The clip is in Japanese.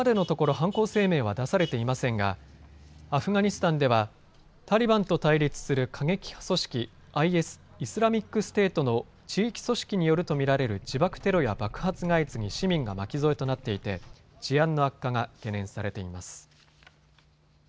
犯行声明は出されていませんがアフガニスタンではタリバンと対立する過激派組織ＩＳ・イスラミックステートの地域組織によると見られる自爆テロや爆発が相次ぎ市民が巻き添えとなっていて治安の悪化が懸念されています。